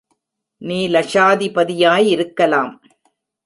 நீ லக்ஷாதிபதியாய் இருக்கலாம்.